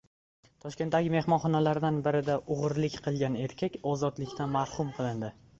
Toshkentdagi mehmonxonalardan birida o‘g‘irlik qilgan erkak ozodlikdan mahrum qilindi